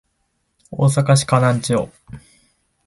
大阪府河南町